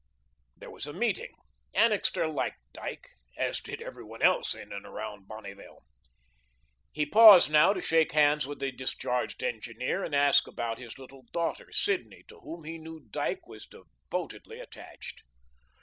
There was a meeting. Annixter liked Dyke, as did every one else in and about Bonneville. He paused now to shake hands with the discharged engineer and to ask about his little daughter, Sidney, to whom he knew Dyke was devotedly attached.